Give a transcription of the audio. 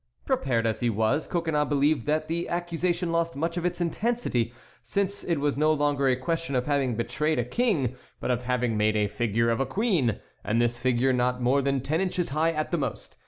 Prepared as he was, Coconnas believed that the accusation lost much of its intensity, since it was no longer a question of having betrayed a king but of having made a figure of a queen; and this figure not more than ten inches high at the most.